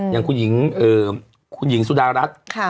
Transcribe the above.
อย่างคุณหญิงเอ่อคุณหญิงสุดารัฐค่ะ